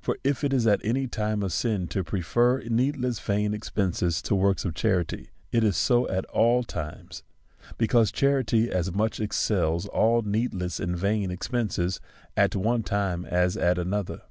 For if it is at any time a sin to prefer needless vain expence to works of charity, it is so at all times ; because charity as much excels all needless and vain expences at one time as at another.